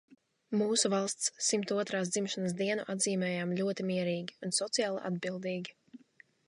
Mūsu valsts simt otrās dzimšanas dienu atzīmējām ļoti mierīgi un sociāli atbildīgi.